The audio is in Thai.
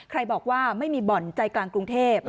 บอกว่าไม่มีบ่อนใจกลางกรุงเทพ